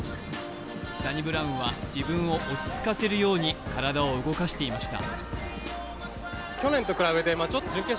サニブラウンは自分を奮い立たせるように体を動かしていました。